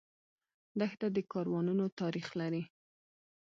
دښته د کاروانونو تاریخ لري.